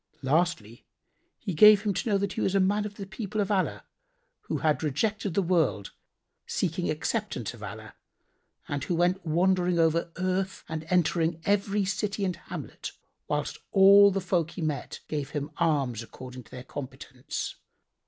Lastly he gave him to know that he was a man of the people of Allah[FN#85] who had rejected the world seeking acceptance of Allah and who went wandering over earth and entering every city and hamlet, whilst all the folk he met gave him alms according to their competence.